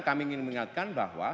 kami ingin mengingatkan bahwa